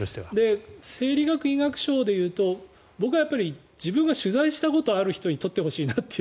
生理学医学賞で言うと僕は自分が取材したことある人に取ってほしいなと。